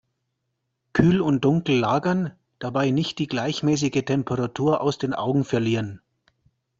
Kühl und dunkel lagern, dabei nicht die gleichmäßige Temperatur aus den Augen verlieren.